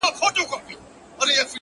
• په يوازي ځان قلا ته ور روان سو,